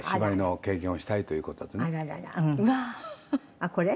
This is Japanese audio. あっこれ？